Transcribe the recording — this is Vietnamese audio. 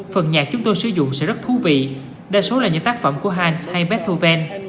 phần nhạc chúng tôi sử dụng sẽ rất thú vị đa số là những tác phẩm của hans hay metoven